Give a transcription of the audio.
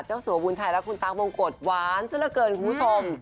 เจ้าสวบูรณ์ชายและคุณตั๊กมงกฎหวานซะเกินคุณผู้ชม